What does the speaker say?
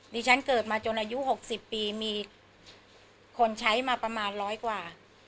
ฉันเกิดมาจนอายุ๖๐ปีมีคนใช้มาประมาณร้อยกว่า